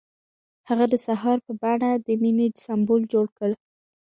هغه د سهار په بڼه د مینې سمبول جوړ کړ.